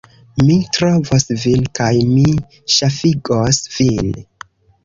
Mi trovos vin, kaj mi ŝafigos vin!